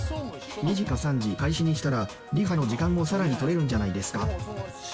２時か３時に開始にしたら、リハの時間もさらに取れるんじゃないですか？